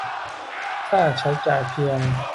ค่าใช้จ่ายเพียบ